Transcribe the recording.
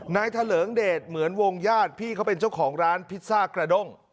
ทะเลิงเดชเหมือนวงญาติพี่เขาเป็นเจ้าของร้านพิซซ่ากระด้ง